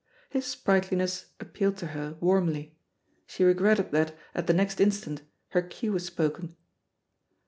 His sprightliness appealed to her warmly; she regretted that, at the next instant, her cue was spoken.